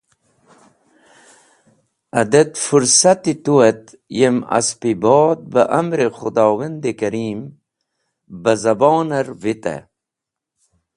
Adet fũrsati tu et yem Asp-e bod beh amr-e Khudowand-e Karim beh zabon or vitey.